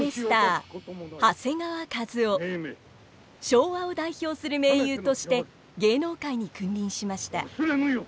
昭和を代表する名優として芸能界に君臨しました。